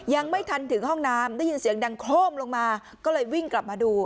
ยังไม่ทันถึงห้องน้ำได้ยินเสียงดังโครมลงมาก็เลยวิ่งกลับมาดู